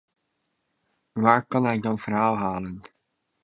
Waar kan hij dan verhaal halen?